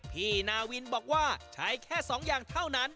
พี่นาวินบอกว่าใช้แค่๒อย่างเท่านั้น